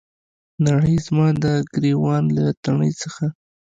نړۍ زما د ګریوان له تڼۍ څخه